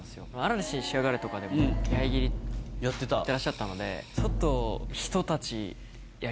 嵐にしやがれとかでも、気配斬りやってらっしゃったので、ちょっと、なるほど。